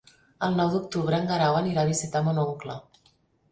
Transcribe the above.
El nou d'octubre en Guerau anirà a visitar mon oncle.